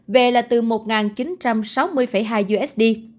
về là từ một chín trăm sáu mươi hai usd